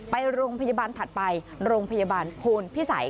ไปโรงพยาบาลถัดไปโรงพยาบาลโพนพิสัย